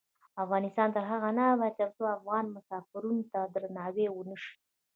افغانستان تر هغو نه ابادیږي، ترڅو افغان مسافرینو ته درناوی ونشي.